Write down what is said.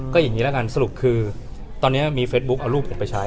ก็อย่างนี้แล้วกันสรุปคือตอนนี้มีเฟซบุ๊คเอารูปผมไปใช้